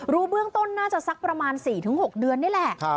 รู้เบื้องต้นน่าจะสักประมาณ๔๖เดือนนี่แหละ